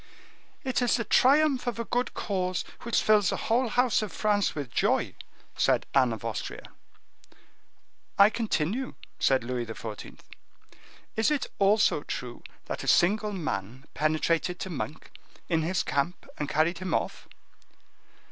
"It is the triumph of a good cause which fills the whole house of France with joy," said Anne of Austria. "I continue," said Louis XIV.: "Is it also true that a single man penetrated to Monk, in his camp, and carried him off?"